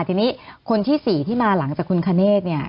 ทีนี้คนที่๔ที่มาหลังจากคุณคเนธเนี่ย